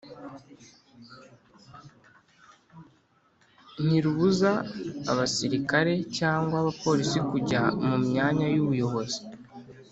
ntiribuza abasirikare cyangwa abapolisi kujya mu myanya y’ubuyobozi.